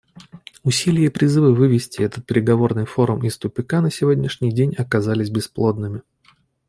Усилия и призывы вывести этот переговорный форум из тупика на сегодняшний день оказались бесплодными.